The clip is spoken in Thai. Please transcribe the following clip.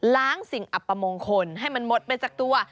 สิ่งอัปมงคลให้มันหมดไปจากตัว